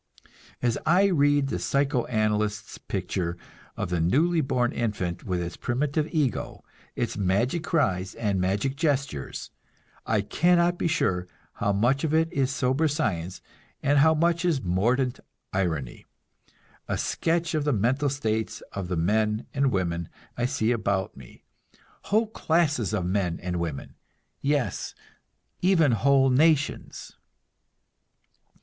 As I read the psycho analyst's picture of the newly born infant with its primitive ego, its magic cries and magic gestures, I cannot be sure how much of it is sober science and how much is mordant irony a sketch of the mental states of the men and women I see about me whole classes of men and women, yes, even whole nations!